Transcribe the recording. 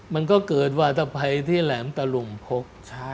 มันก็เกิดวาตภัยที่แหลมตะลุมพกช้า